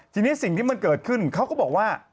ทีนี้สิ่งที่มันเกิดขึ้นเขาก็บอกว่า